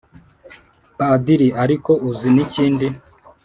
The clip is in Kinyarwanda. padiri:"ariko uzi n' ikindi ??